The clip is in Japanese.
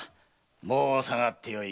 もうさがってよい。